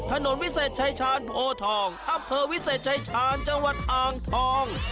ถนนวิเศษชัยชาญโพทองอัพเผอร์วิเศษชัยชาญจังหวัดอางทอง